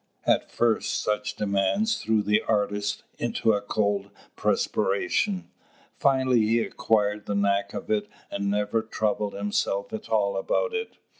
At first such demands threw the artist into a cold perspiration. Finally he acquired the knack of it, and never troubled himself at all about it.